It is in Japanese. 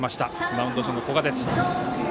マウンド上の古賀です。